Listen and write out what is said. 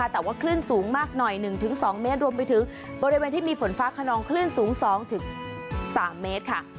แต่ว่าคลื่นสูงมากหน่อย๑๒เมตรรวมไปถึงบริเวณที่มีฝนฟ้าขนองคลื่นสูง๒๓เมตรค่ะ